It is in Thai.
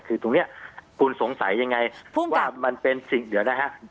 คือตรงนี้คุณสงสัยยังไงว่ามันเป็นสิ่งเดียวนะฮะ